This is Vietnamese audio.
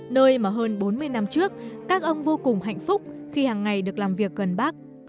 nơi mà hơn bốn mươi năm trước các ông vô cùng hạnh phúc khi hàng ngày được làm việc gần bác